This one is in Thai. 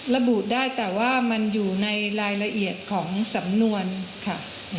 ระบุได้แต่ว่ามันอยู่ในรายละเอียดของสำนวนค่ะ